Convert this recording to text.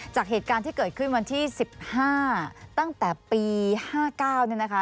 จากเหตุการณ์ที่เกิดขึ้นวันที่๑๕ตั้งแต่ปี๕๙เนี่ยนะคะ